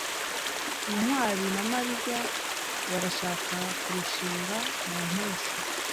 ntwali na mariya barashaka kurushinga mu mpeshyi